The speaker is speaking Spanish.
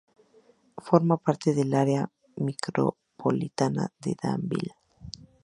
Forma parte del área micropolitana de Danville.